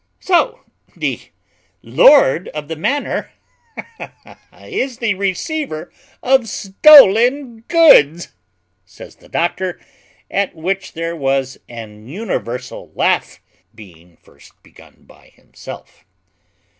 "So the lord of the manor is the receiver of stolen goods," says the doctor; at which there was an universal laugh, being first begun by himself.